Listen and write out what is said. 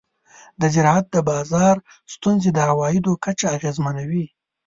د زراعت د بازار ستونزې د عوایدو کچه اغېزمنوي.